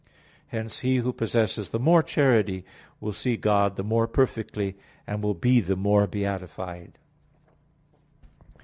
Hence he who possesses the more charity, will see God the more perfectly, and will be the more beatified.